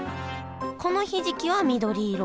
このひじきは緑色。